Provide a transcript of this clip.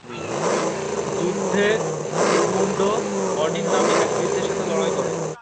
যুদ্ধে, Sigmund Odin নামে এক বৃদ্ধের সাথে লড়াই করে।